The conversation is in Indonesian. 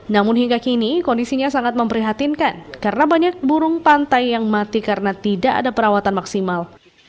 namun hingga kini kondisinya sangat memprihatinkan karena banyak burung pantai yang mati karena tidak ada perawatan maksimal